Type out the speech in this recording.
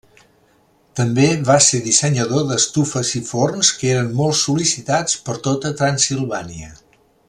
També va ser dissenyador d'estufes i forns que eren molt sol·licitats per tota Transsilvània.